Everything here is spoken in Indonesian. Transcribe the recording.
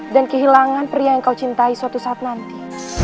dan kehilangan pria yang kau cintai suatu saat nanti